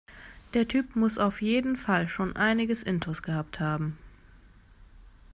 Der Typ muss auf jeden Fall schon einiges intus gehabt haben.